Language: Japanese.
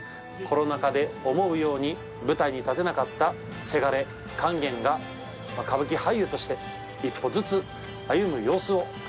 コロナ禍で思うように舞台に立てなかったせがれ勸玄が歌舞伎俳優として一歩ずつ歩む様子を。